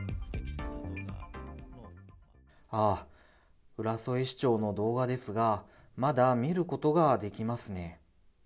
ああ、浦添市長の動画ですが、まだ見ることができますね。